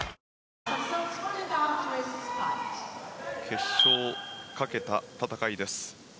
決勝をかけた戦いです。